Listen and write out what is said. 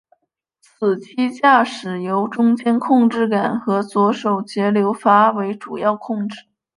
此机驾驶由中间控制杆和左手节流阀为主要控制。